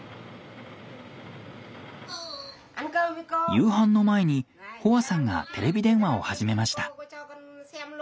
夕飯の前にホアさんがテレビ電話を始めました。